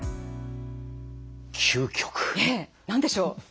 ええ。何でしょう？